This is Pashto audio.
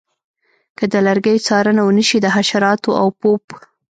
که د لرګیو څارنه ونشي د حشراتو او پوپ